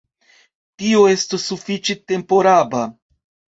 Tio estos sufiĉe temporaba.